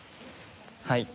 はい。